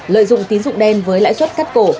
lợi dụng tín dụng đen với lãi suất cắt cổ